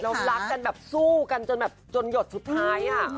แล้วรักกันแบบสู้กันจนหยดสุดท้าย